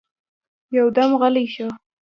يودم غلی شو.